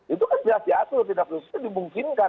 itu kan jelas diatur tidak khusus itu dimungkinkan